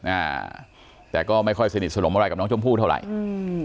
อ่าแต่ก็ไม่ค่อยสนิทสนมอะไรกับน้องชมพู่เท่าไหร่อืม